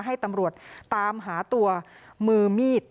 ให้ตำรวจตามหาตัวมือมีด